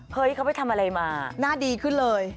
เฮ้ยเขาไปทำอะไรมาหน้าดีขึ้นเลย